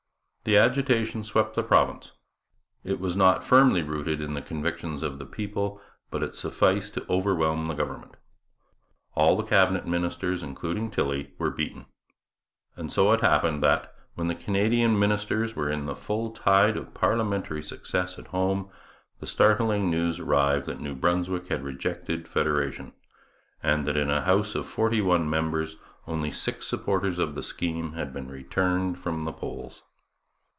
The agitation swept the province. It was not firmly rooted in the convictions of the people, but it sufficed to overwhelm the government. All the Cabinet ministers, including Tilley, were beaten. And so it happened that, when the Canadian ministers were in the full tide of parliamentary success at home, the startling news arrived that New Brunswick had rejected federation, and that in a House of forty one members only six supporters of the scheme had been returned from the polls.